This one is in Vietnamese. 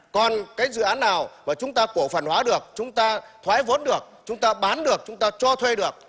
còn cái dự án nào mà chúng ta cổ phần hóa được chúng ta thoái vốn được chúng ta bán được chúng ta cho thuê được